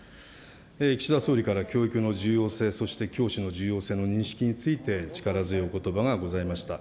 岸田総理から教育の重要性、そして教師の重要性の認識について、力強いおことばがございました。